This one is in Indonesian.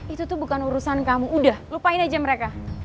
itu tuh bukan urusan kamu udah lupain aja mereka